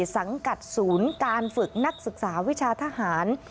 สังกัดศูนย์การฝึกนักศึกษาวิชาทหาร